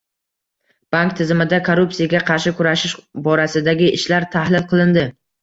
Bank tizimida korrupsiyaga qarshi kurashish borasidagi ishlar tahlil qilindi